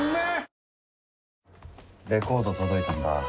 レコード届いたんだ